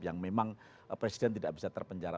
yang memang presiden tidak bisa terpenjara